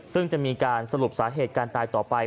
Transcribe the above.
ซึ่งจะมีการสรุปสาเหตุการตายต่อไป